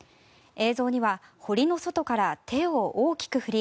映像には堀の外から手を大きく振り